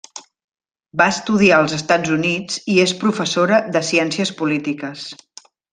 Va estudiar als Estats Units i és professora de ciències polítiques.